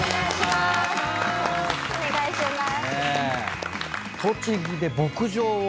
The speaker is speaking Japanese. お願いします。